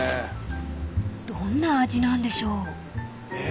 ［どんな味なんでしょう］え？